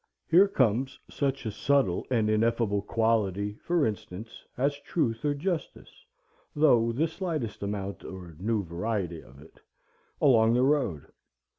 Here comes such a subtile and ineffable quality, for instance, as truth or justice, though the slightest amount or new variety of it, along the road.